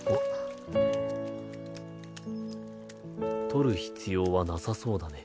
とる必要はなさそうだね。